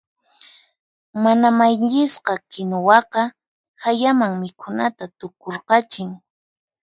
Mana mayllisqa kinuwaqa hayaman mikhunata tukurqachin.